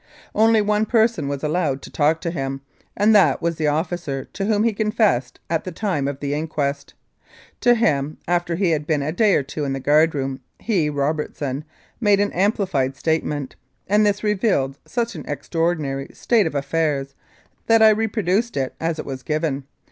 Only one person was allowed to talk to him, and that was the officer to whom he confessed at the time of the inquest. To him, after he had been a day or two in the guard room, he, Robertson, made an amplified statement, and this revealed such an extraordinary state of affairs that I reproduce it as it was given.